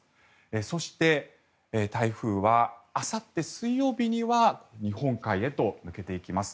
そして、台風はあさって水曜日には日本海へと抜けていきます。